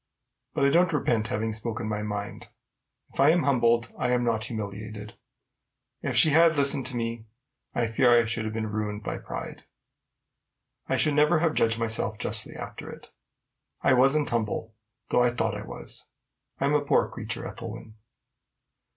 But I don't repent having spoken my mind: if I am humbled, I am not humiliated. If she had listened to me, I fear I should have been ruined by pride. I should never have judged myself justly after it. I wasn't humble, though I thought I was. I'm a poor creature, Ethelwyn."